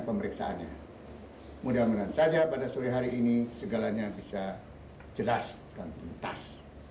pemeriksaannya mudah mudahan saja pada sore hari ini segalanya bisa jelas dan tuntas